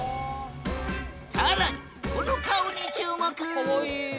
更にこの顔に注目！